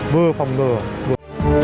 vừa phòng lừa vừa